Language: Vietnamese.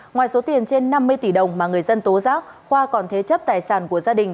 ngoài số tiền trên năm mươi tỷ đồng mà người dân tố giác khoa còn thế chấp tài sản của gia đình